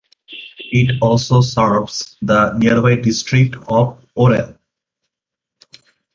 It also serves the nearby district of Orrell.